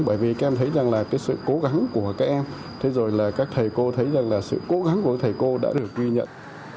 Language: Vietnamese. bởi vì các em thấy rằng là cái sự cố gắng của các em thế rồi là các thầy cô thấy rằng là sự cố gắng của các thầy cô đã được ghi nhận